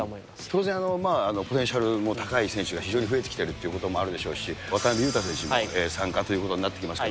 当然、ポテンシャルも高い選手が非常に増えてきているということもあるでしょうし、渡邊雄太選手も参加ということになってきました。